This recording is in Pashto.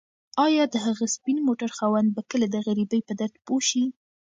ایا د هغه سپین موټر خاوند به کله د غریبۍ په درد پوه شي؟